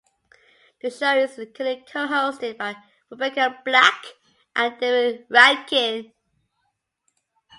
The show is currently co-hosted by Rebekah Black and David Rancken.